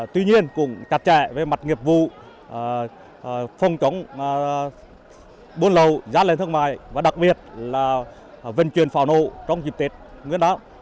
tuy nhiên cũng cắt trẻ về mặt nghiệp vụ